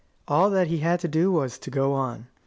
All that he had to do was to go on.